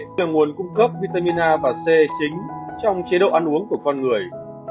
trái cây là nguồn cung cấp vitamin a và c chính trong chế độ ăn uống của con người